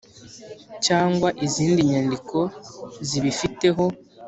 cyangwa izindi nyandiko zibifiteho